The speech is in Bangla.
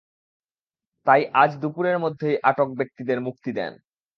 তাই আজ দুপুরের মধ্যেই আটক ব্যক্তিদের মুক্তি দেন।